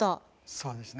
そうですね。